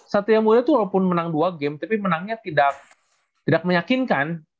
satu yang boleh tuh walaupun menang dua game tapi menangnya tidak tidak meyakinkan